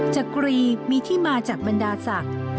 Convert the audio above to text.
จักรีมีที่มาจากบรรดาศักดิ์